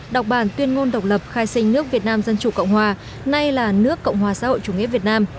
đọc bản tuyên ngôn độc lập khai sinh nước việt nam dân chủ cộng hòa nay là nước cộng hòa xã hội chủ nghĩa việt nam